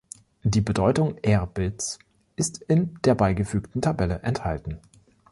Die Bedeutung er Bits ist in der beigefügten Tabelle enthalten.